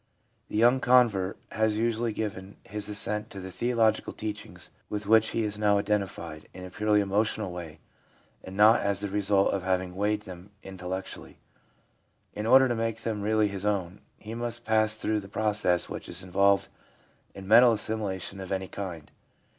The young convert has usually given his assent to the theological teachings with which he is now identified, in a purely emotional way, and not as the result of having weighed them intellectually. In order to make them really his own, he must pass through the process which is involved in mental assimilation of any kind.